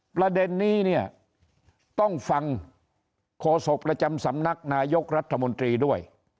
ประเด็นนี้เนี่ยต้องฟังโฆษกประจำสำนักนายกรัฐมนตรีด้วย